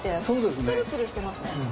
そうですね。